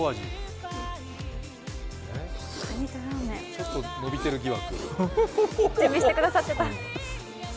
ちょっと伸びてる疑惑。